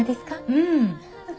うん。